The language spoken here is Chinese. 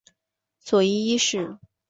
佐伊一世。